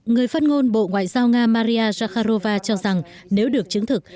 người phát ngôn bộ ngoại giao nga maria zakharova cho rằng nếu được chứng thực